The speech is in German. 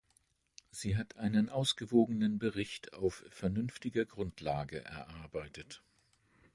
Sie hat einen ausgewogenen Bericht auf vernünftiger Grundlage erarbeitet.